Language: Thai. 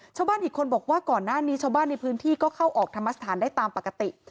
ชาวบ้านอีกคนบอกว่าก่อนหน้านี้ชาวบ้านในพื้นที่ก็เข้าออกธรรมสถานได้ตามปกติ